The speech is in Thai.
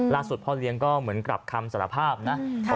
พ่อเลี้ยงก็เหมือนกลับคำสารภาพนะ